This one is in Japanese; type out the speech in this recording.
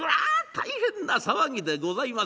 大変な騒ぎでございます。